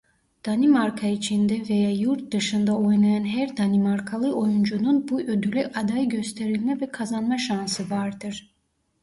Danimarka içinde veya yurt dışında oynayan her Danimarkalı oyuncunun bu ödüle aday gösterilme ve kazanma şansı vardır.